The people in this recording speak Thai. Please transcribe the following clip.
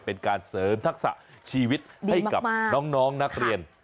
เป็นการเสริมทักษะชีวิตให้กับน้องนักเรียน